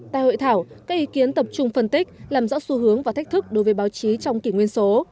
tại hội thảo các ý kiến tập trung phân tích làm rõ xu hướng và thách thức đối với báo chí trong kỷ nguyên số